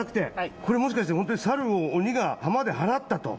これもしかして本当に猿を鬼が浜で払ったと。